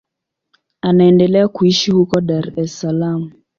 Anaendelea kuishi huko Dar es Salaam.